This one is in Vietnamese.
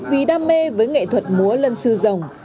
vì đam mê với nghệ thuật múa lân sư rồng